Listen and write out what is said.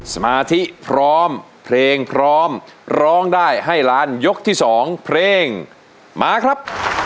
สมาธิพร้อมเพลงพร้อมร้องได้ให้ล้านยกที่๒เพลงมาครับ